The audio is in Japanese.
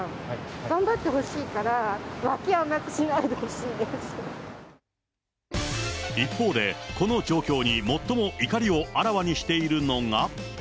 頑張ってほしいから、一方で、この状況に最も怒りをあらわにしているのが。